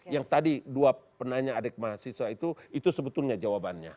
yang tadi dua penanya adik mahasiswa itu itu sebetulnya jawabannya